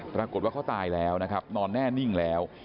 ปรากฏว่าเขาตายแล้วนะครับนอนแน่นิ่งแล้ว